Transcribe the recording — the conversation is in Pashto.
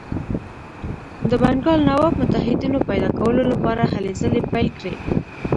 د بنګال نواب متحدینو پیدا کولو لپاره هلې ځلې پیل کړې.